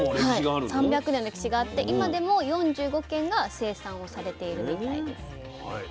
はい３００年の歴史があって今でも４５軒が生産をされているみたいです。